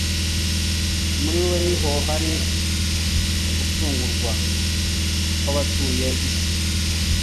muri we niho hari ugucungurwa kw'abatuye isi